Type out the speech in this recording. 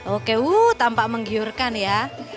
oke wuh tampak menggiurkan ya